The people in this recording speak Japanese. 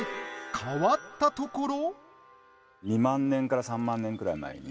変わったところ？